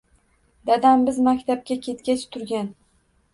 Dadam biz maktabga ketgach turgan.